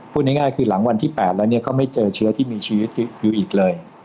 พูดง่ายคือหลังวันที่๘แล้วก็ไม่เจอเชื้อที่มีชีวิตอยู่อีกเลย